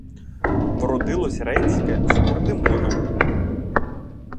Вродилось реньске з курдимоном